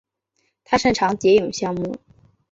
他擅长蝶泳项目。